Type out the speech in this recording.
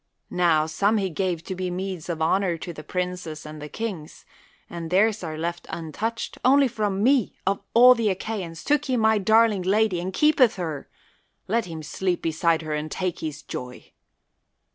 Now, some he gave to be meeds of honor to the princes and the kings, and theirs are left untouched; only from me of all the Achaians took he my darling lady and keepeth her — let him sleep beside her and take his joy.